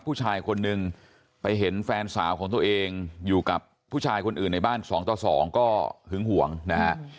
ผู้ชายคนนึงไปเห็นแฟนสาวของตัวเองอยู่กับผู้ชายคนอื่นในบ้าน๒ต่อ๒ก็หึงห่วงนะฮะ